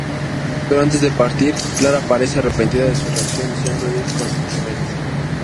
Pero antes de partir, Clara aparece arrepentida de su reacción deseando ir con Emmett.